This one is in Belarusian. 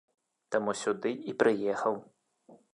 Таму сюды і прыехаў.